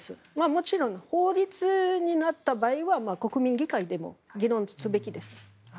もちろん法律になった場合は国民議会でも議論すべきです。